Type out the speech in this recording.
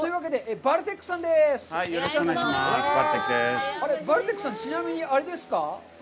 バルテックさん、ちなみにあれですか？